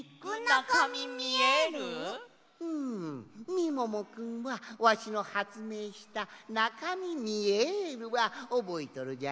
みももくんはわしのはつめいした「ナカミミエル」はおぼえとるじゃろ？